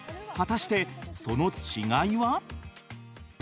果たしてその違いは？